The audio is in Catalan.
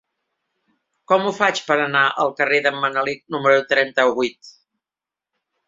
Com ho faig per anar al carrer d'en Manelic número trenta-vuit?